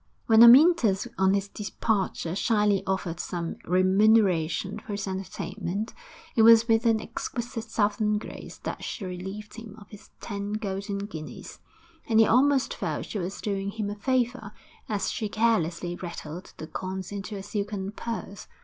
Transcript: When Amyntas on his departure shyly offered some remuneration for his entertainment, it was with an exquisite southern grace that she relieved him of his ten golden guineas, and he almost felt she was doing him a favour as she carelessly rattled the coins into a silken purse.